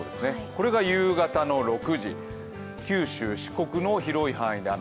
これが夕方の６時、九州・四国の広い範囲で雨。